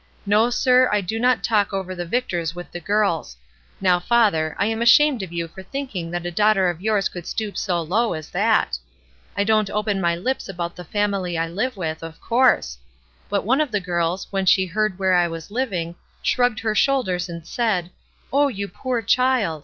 No, sir, I do not talk over the Victors with the girls; now, father, I am ashamed of you for thinking that a daughter of yours could stoop so low as that! I don't open my lips about the family I live with, of course; but one of the girls, when she heard where I was living, shrugged her shoulders and said, 'Oh, you poor child!'